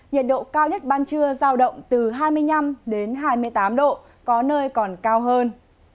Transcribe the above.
nhiệt độ cao nhất ban trưa giao động từ hai mươi năm đến hai mươi tám độ có nơi còn cao hơn